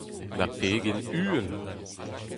Na pegen uhel !